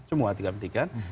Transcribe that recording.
semua tingkat pendidikan